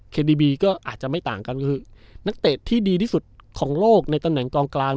ดีบีก็อาจจะไม่ต่างกันก็คือนักเตะที่ดีที่สุดของโลกในตำแหน่งกองกลาง